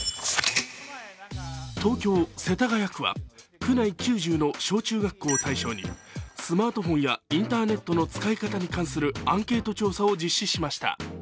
東京・世田谷区は区内９０の小中学校を対象にスマートフォンやインターネットの使い方に関するアンケート調査を実施しました。